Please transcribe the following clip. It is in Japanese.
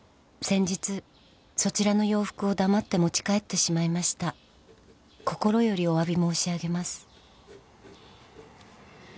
「先日そちらの洋服を黙って持ち帰ってしまいました」「心よりお詫び申し上げます」